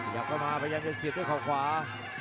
อยากเข้ามาพยายามจะเสียบด้วยเขาขวา